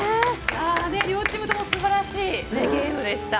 両チームともすばらしいゲームでした。